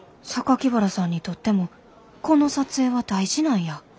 原さんにとってもこの撮影は大事なんや。